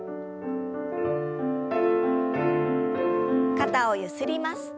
肩をゆすります。